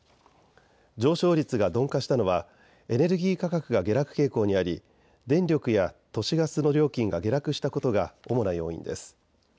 上昇率が鈍化したのはエネルギー価格が下落傾向にあり電力や都市ガスの料金が下落したことが主な要因です。